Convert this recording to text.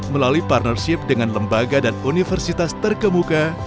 melalui partnership dengan lembaga dan universitas terkemuka